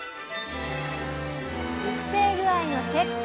熟成具合のチェック。